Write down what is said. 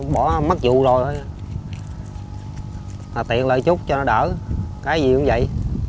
bỏ mất dụ rồi tiện lợi chút cho nó đỡ cái gì cũng vậy